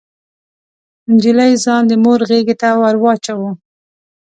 نجلۍ ځان د مور غيږې ته ور واچاوه.